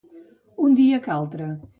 Un dia que altre.